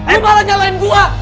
lu malah nyalahin gua